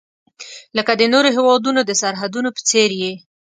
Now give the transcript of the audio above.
لکه د نورو هیوادونو د سرحدونو په څیر یې.